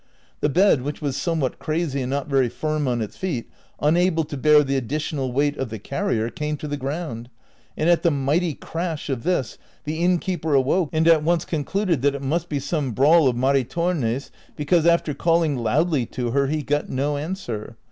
The bed, Avhich was somewhat crazy and not very firm on its feet, unable to bear the additional weight of the carrier, came to the ground, and at the mighty crash of this the innkeeper awoke and at once concluded that it must be some brawl of Maritornes', because after calling loudly to her he got no answer.